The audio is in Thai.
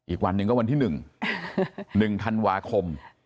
อีกวันหนึ่งก็วันที่หนึ่งหนึ่งธันวาคม